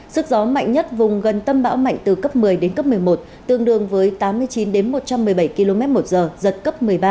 sức gió mạnh nhất vùng gần tâm bão mạnh từ cấp một mươi đến cấp một mươi một tương đương với tám mươi chín một trăm một mươi bảy km một giờ giật cấp một mươi ba